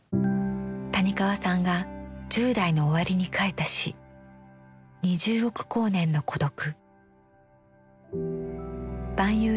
谷川さんが１０代の終わりに書いた詩「二十億光年の孤独」。